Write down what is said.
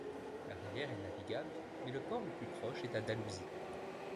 La rivière est navigable mais le port le plus proche est à Dalhousie.